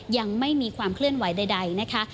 ยังไม่มีความเคลื่อนไหวใดนะคะ